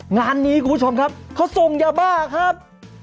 งานนี้คุณผู้ชมครับเขาส่งยาบ้าครับ